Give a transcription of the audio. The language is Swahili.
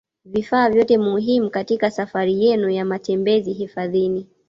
Vifaa vyote muhimu katika safari yenu ya matembezi hifadhini